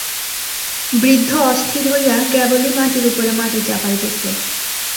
বৃদ্ধ অস্থির হইয়া কেবলই মাটির উপরে মাটি চাপাইতেছে।